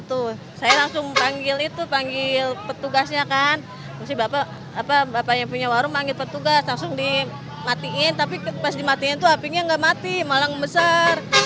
itu saya langsung panggil itu panggil petugasnya kan bapak yang punya warung panggil petugas langsung dimatiin tapi pas dimatiin itu apinya gak mati malah ngebesar